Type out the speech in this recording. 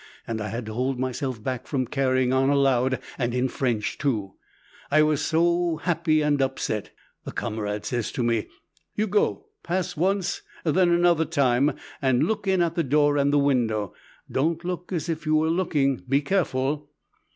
And I had to hold myself back from carrying on aloud, and in French too, I was so happy and upset. The Kamarad says to me, 'You go, pass once, then another time, and look in at the door and the window. Don't look as if you were looking. Be careful.'